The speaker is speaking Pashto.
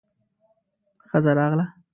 ښځه راغله.